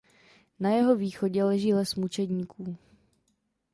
Na jeho východě leží les Mučedníků.